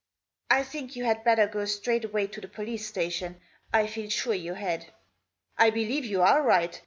" I think you had better go straight away to the police station ; I feel sure you had." "I believe you are right.